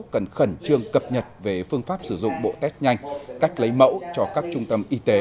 cần khẩn trương cập nhật về phương pháp sử dụng bộ test nhanh cách lấy mẫu cho các trung tâm y tế